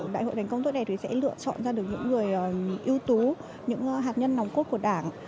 đại hội đánh công tôi này thì sẽ lựa chọn ra được những người ưu tú những hạt nhân nóng cốt của đảng